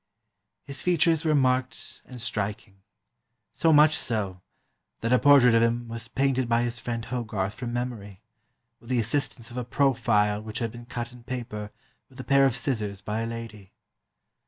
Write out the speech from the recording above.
His features were marked and striking, so much so, that a portrait of him was painted by his friend Hogarth from memory, with the assistance of a profile which had been cut in paper with a pair of scissors by a lady.